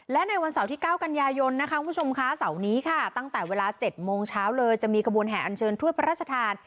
และในวันเสาร์ที่๙กันยายนตั้งแต่เวลา๗๑๑มจะมีกระบวนแห่ออนเชิญพยุโดยพระราชธาล